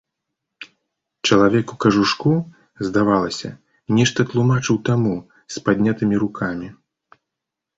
Чалавек у кажушку, здавалася, нешта тлумачыць таму, з паднятымі рукамі.